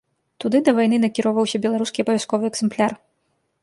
Туды да вайны накіроўваўся беларускі абавязковы экзэмпляр.